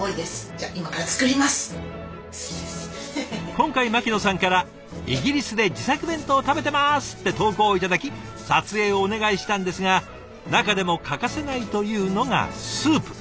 今回牧野さんから「イギリスで自作弁当食べてます」って投稿を頂き撮影をお願いしたんですが中でも欠かせないというのがスープ。